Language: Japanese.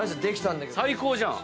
最高じゃん！